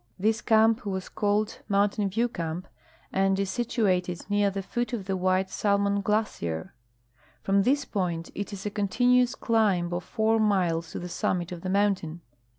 This camp was called Mountain VieAV camp, and is situated near the foot of the Mdiite Salmon glacier. From this point it is a continuous climb of four miles to the summit of the mountain.